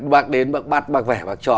bác đến bác vẽ bác trò